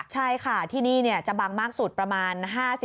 ใช่ค่ะที่นี่จะบังมากสุดประมาณ๕๐